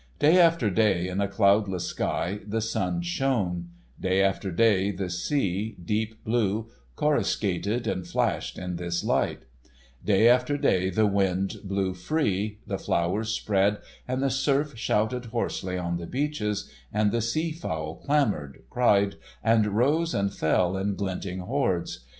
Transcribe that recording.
Day after day in a cloudless sky the sun shone; day after day the sea, deep blue, coruscated and flashed in his light; day after day the wind blew free, the flowers spread, and the surf shouted hoarsely on the beaches, and the sea fowl clamoured, cried, and rose and fell in glinting hordes.